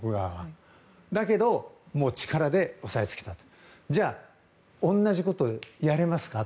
だけど、力で抑えつけたと。じゃあ同じことをやれますかと。